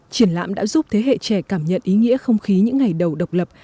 triển lãm đã giúp thế hệ trẻ cảm nhận ý nghĩa không khí những ngày đầu độc lập